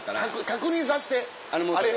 確認させてあれ